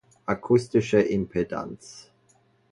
Akustische Impedanz